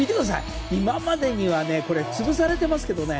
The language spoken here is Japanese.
今までにはつぶされていますけどね。